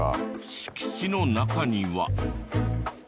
敷地の中には。